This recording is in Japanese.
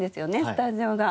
スタジオが。